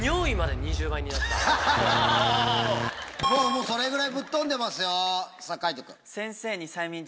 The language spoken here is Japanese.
ピンポンそれぐらいぶっ飛んでますよ。